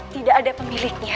tidak ada pemiliknya